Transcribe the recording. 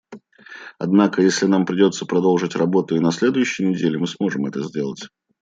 Однако если нам придется продолжить работу и на следующей неделе, мы сможем это сделать.